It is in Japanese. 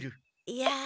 いや。